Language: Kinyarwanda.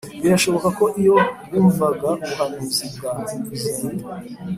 birashoboka ko iyo bumvaga ubuhanuzi bwa izayi